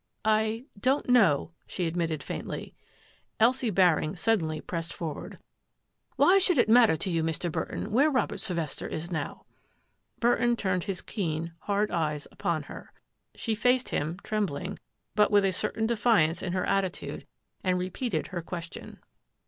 "I — don't know," she admitted faintly. Elsie Baring suddenly pressed forward. " Why should it matter to you, Mr. Burton, where Robert Sylvester is now? " Burton turned his keen, hard eyes upon her. She faced him, trembling, but with a certain de fiance in her attitude, and repeated her question.